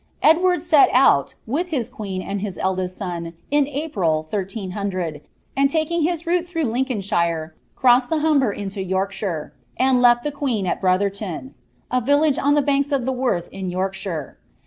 Edward set out, with his queen and his eldest son, in April 1300, and, taking his route through Lincoln shire, crossed the Humber into Yorkshire, and left the queen at Brother ton ; a village on the banks of the Wherfe in Yorkshire.